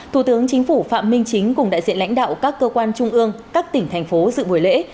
thủ tướng chính phủ phạm minh chính cùng đại diện lãnh đạo các cơ quan trung ương các tỉnh thành phố dự buổi lễ